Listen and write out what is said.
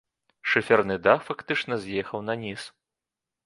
Шыферны дах фактычна з'ехаў наніз.